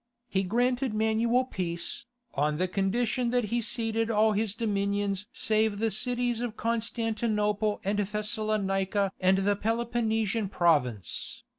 He granted Manuel peace, on the condition that he ceded all his dominions save the cities of Constantinople and Thessalonica and the Peloponnesian province.